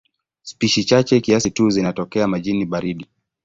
Spishi chache kiasi tu zinatokea majini baridi.